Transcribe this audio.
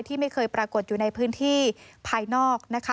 ที่ไม่เคยปรากฏอยู่ในพื้นที่ภายนอกนะคะ